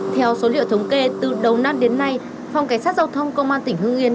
theo số liệu thống kê từ đầu năm đến nay phòng cảnh sát giao thông công an tỉnh hương yên